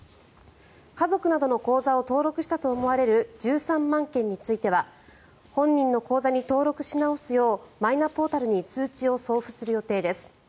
家族などの口座を登録したと思われる１３万件については本人の口座に登録し直すようマイナポータルに通知を送付する予定です。